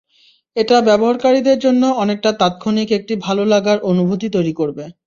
এটা ব্যবহারকারীদের জন্য অনেকটা তাৎক্ষণিক একটি ভালো লাগার অনুভূতি তৈরি করবে।